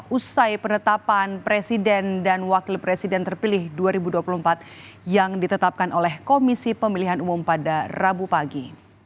usai penetapan presiden dan wakil presiden terpilih dua ribu dua puluh empat yang ditetapkan oleh komisi pemilihan umum pada rabu pagi